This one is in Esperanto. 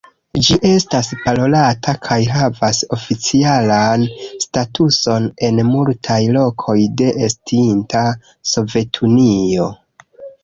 Ĝi estas parolata kaj havas oficialan statuson en multaj lokoj de estinta Sovetunio.